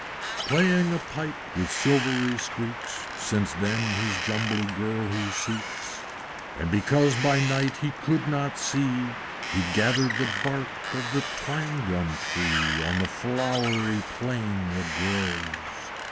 Playing a pipe with silvery squeaks, Since then his Jumbly Girl he seeks; And because by night he could not see, He gathered the bark of the Twangum Tree On the flowery plain that grows.